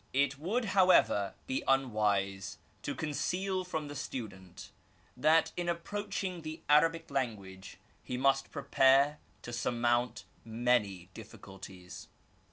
It would, however, be unwise to concealv from the student, that in approaching the Arabic language he must prepare to ^ surmount many difficulties.